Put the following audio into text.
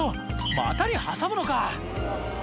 「股に挟むのか」